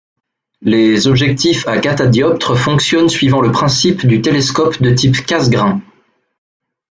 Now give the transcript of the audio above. Les objectifs à catadioptres fonctionnent suivant le principe du télescope de type Cassegrain.